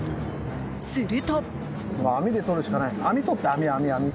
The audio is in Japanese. すると。